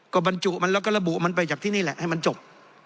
ก็บรรจุมันแล้วก็ระบุมันไปจากที่นี่แหละให้มันจบ